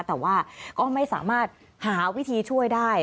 แต่ว่าก็ไม่สามารถหาวิธีช่วยได้